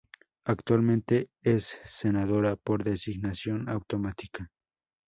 Actualmente es senadora por designación autonómica.